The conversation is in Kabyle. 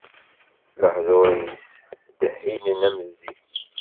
Lehdur-is ddehhinen am zzit.